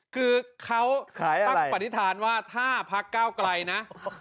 คือเขาตั้งปฏิฐานว่าถ้าพักเก้าไกลนะ